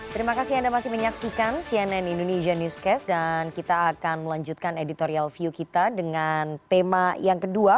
terima kasih anda masih menyaksikan cnn indonesia newscast dan kita akan melanjutkan editorial view kita dengan tema yang kedua